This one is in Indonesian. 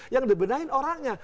yang dibenahi orangnya